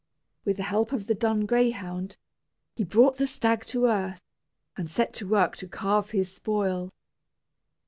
With the help of the dun greyhound, he brought the stag to earth, and set to work to carve his spoil.